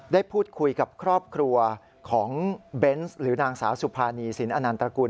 ได้พูดคุยกับครอบครัวของเบนส์หรือนางสาวสุภานีสินอนันตระกูล